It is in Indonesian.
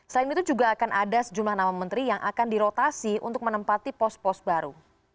selain itu juga akan ada sejumlah nama menteri yang akan dirotasi untuk menempati pos pos baru